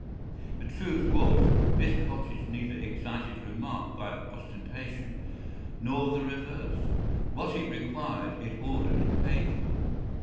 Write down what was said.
The truth was, this cottage neither excited remark by ostentation, nor the reverse. What it required, it ordered and paid for.